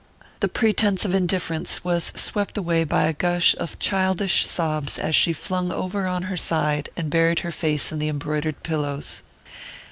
The pretense of indifference was swept away by a gush of childish sobs as she flung over on her side and buried her face in the embroidered pillows.